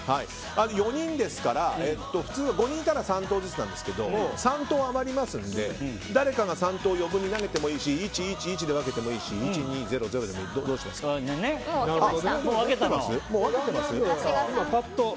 ４人ですから、５人いたら３投ずつなんですけど３投余りますので誰かが余分に投げてもいいし１、１、１、で分けてもいいし１、１、０でもいいですがどうしますか。